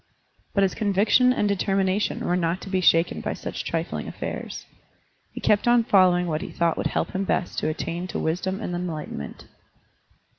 But his conviction and determination were not to be shaken by such trifling affairs; he kept on following what he thought would help him best to attain to wisdom and enlightenment.